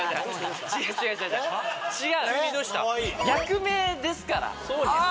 役名ですから。